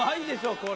これ。